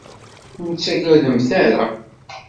Ur ttagademt ara.